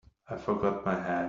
I forgot my hat.